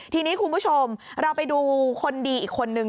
ทีนี้คุณผู้ชมเราไปดูคนดีอีกคนนึง